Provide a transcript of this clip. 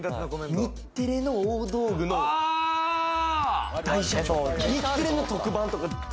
日テレの大道具の大社長。